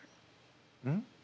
うん？